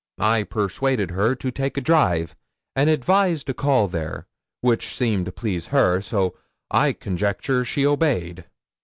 "I persuaded her to take a drive, and advised a call there, which seemed to please her, so I conjecture she obeyed."